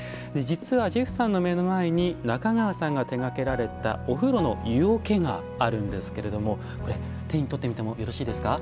実はジェフさんの目の前に中川さんが手がけられたお風呂の湯桶があるんですけれども手に取ってみてもよろしいですか？